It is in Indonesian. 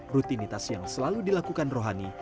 rutinitas yang selalu dilakukan rohani